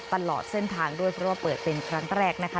ตลอดเส้นทางด้วยเพราะว่าเปิดเป็นครั้งแรกนะคะ